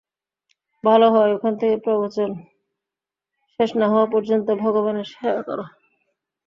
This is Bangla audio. ভালো হয় ওখানে থেকে প্রবচন শেষ না হওয়া পর্যন্ত ভগবানের সেবা করো।